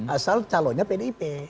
asal calonnya pdp